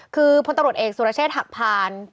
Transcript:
คือพลตำรวจเอกสุรเชษฐ์หักพาน